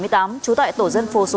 trú tại tổ dân phố số hai